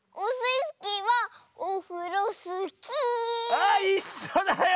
あいっしょだよ！